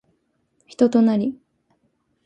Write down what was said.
人となり